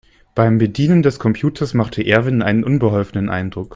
Beim Bedienen des Computers machte Erwin einen unbeholfenen Eindruck.